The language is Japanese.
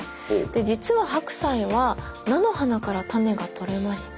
実は白菜は菜の花から種がとれまして。